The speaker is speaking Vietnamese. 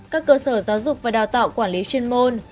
các cơ sở giáo dục và đào tạo quản lý chuyên môn